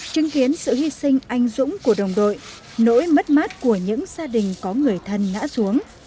chứng kiến sự hy sinh anh dũng của đồng đội nỗi mất mát của những gia đình có người thân ngã xuống